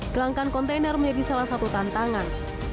kelangkan kontainer menjadi salah satu tantangan